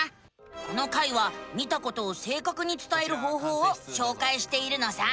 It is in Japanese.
この回は見たことをせいかくにつたえる方法をしょうかいしているのさ。